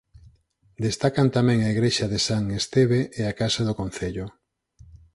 Destacan tamén a igrexa de Sant Esteve e a casa do concello.